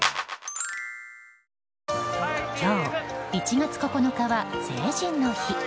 今日、１月９日は成人の日。